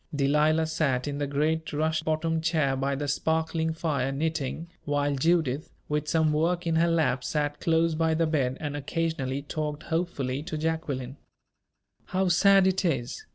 Delilah sat in the great rush bottomed chair by the sparkling fire, knitting, while Judith, with some work in her lap, sat close by the bed, and occasionally talked hopefully to Jacqueline. "How sad it is!"